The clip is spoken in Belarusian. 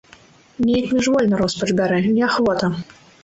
Неяк міжвольна роспач бярэ, неахвота.